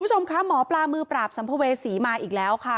คุณผู้ชมคะหมอปลามือปราบสัมภเวษีมาอีกแล้วค่ะ